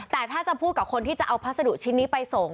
แต่ถ้าจะพูดกับคนที่จะเอาพัสดุชิ้นนี้ไปส่ง